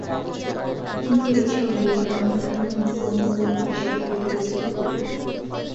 কিন্তু এইসঙ্গে ব্রাহ্মণ্যধর্মও কোন কোন বিষয়ে ক্ষতিগ্রস্ত হইল।